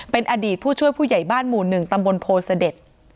เป็นอดีตผู้ช่วยผู้ใหญ่บ้านหมู่๑ตำบลโพเสด็จ